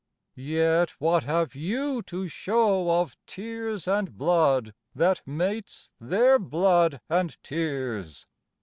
Yet what have you to show of tears and blood, That mates their blood and tears?